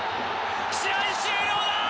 試合終了だ。